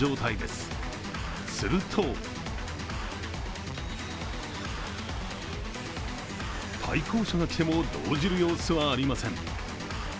すると対向車が来ても動じる様子はありません。